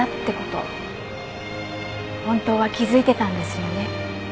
本当は気づいてたんですよね？